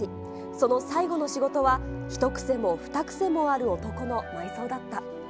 その最後の仕事は、一癖も二癖もある男の埋葬だった。